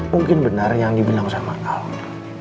mungkin benar yang dibilang sama kami